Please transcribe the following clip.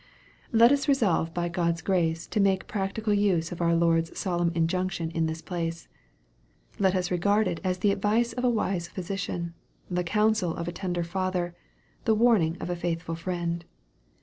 Let us resolve by God's grace to make a practical use of our Lord's solemn injunction in this place. Let us regard it as the advice of a wise physician, the counsel of a tender father, the warning of a faithful friend.